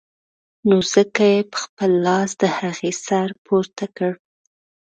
نو ځکه يې په خپل لاس د هغې سر پورته کړ.